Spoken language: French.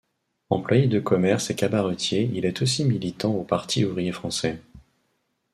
Employé de commerce et cabaretier, il est aussi militant au Parti ouvrier français.